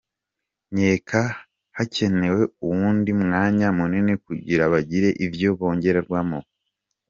"Nkeka hakenewe uwundi mwanya munini kugira bagire ivyo bongeramwo.